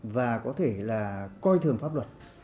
và có thể là coi thường pháp luật